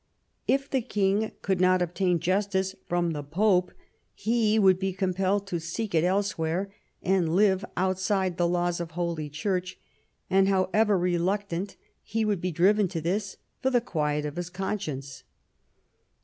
If the king could not obtain justice from the Pope he would be compelled to seek it elsewhere, and live outside the laws of Holy Church ; and however re luctant, he would be driven to this for the quiet of his conscience.